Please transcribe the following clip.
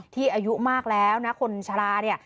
อายุมากแล้วนะคนชะลาเนี่ย